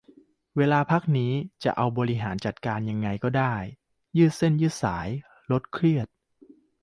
เวลาพักนี้จะเอาไปบริหารจัดการยังไงก็ได้ ยืดเส้นยืดสาย ลดเครียด